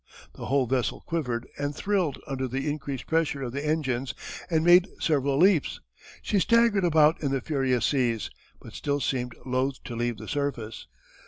The whole vessel quivered and thrilled under the increased pressure of the engines and made several leaps. She staggered about in the furious seas but still seemed loath to leave the surface.